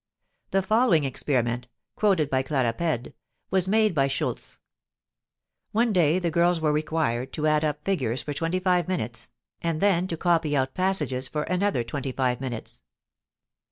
The following experiment (quoted by Claparède) was made by Schultze: one day the girls were required to add up figures for twenty five minutes, and then to copy out passages for another twenty five minutes.